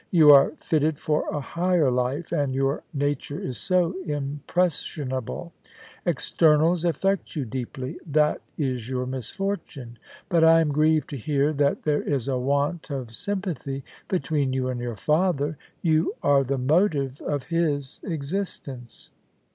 You are fitted for a higher life — and your nature is so impressionable; externals affect you deeply — that is your misfortune. But I am grieved to hear that there is a want of s)mipathy between you and your father. You are the motive of his existence.'